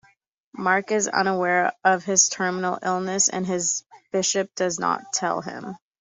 Mark is unaware of his terminal illness and his bishop does not tell him.